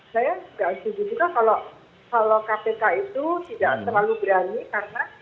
saya nggak setuju juga kalau kpk itu tidak terlalu berani karena